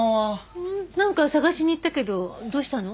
なんか捜しに行ったけどどうしたの？